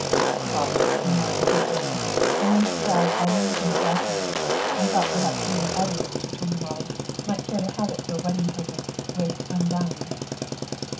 "Hugh bought it, you know," said Jane. "And when he died Eileen sent it back to me. I thought perhaps you and Eddy," she turned to Molly, "might care to have it for a wedding present, with 'Undine.